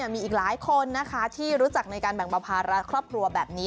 มีอีกหลายคนนะคะที่รู้จักในการแบ่งเบาภาระครอบครัวแบบนี้